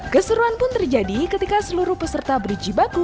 keseruan pun terjadi ketika seluruh peserta berjibaku menangkap ikan